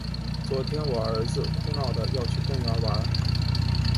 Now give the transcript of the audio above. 昨天我儿子闹着要去公园玩。